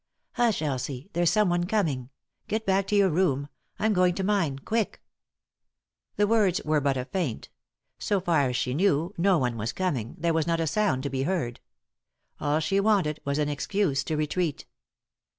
" Hush, Elsie I there's someone coming 1 Get back to your room ; I'm going to mine ; quick 1 " The words were but a feint. So far as she knew, no one was coming, there was not a sound to be heard. All she wanted was an excuse to retreat.